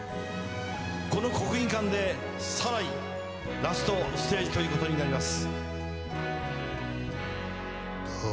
この国技館でサライ、ラストステージということになります。